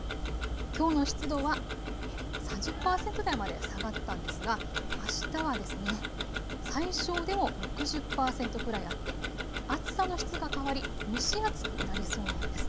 きょうの湿度は３０％台まで下がったんですがあしたは最小でも６０％くらいあって暑さの質が変わり蒸し暑くなりそうなんです。